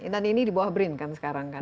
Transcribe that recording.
ini di bawah brin kan sekarang kan